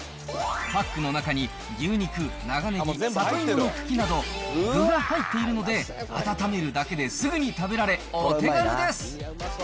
パックの中に牛肉、長ねぎ、里芋の茎など、具が入っているので、温めるだけですぐに食べられ、お手軽です。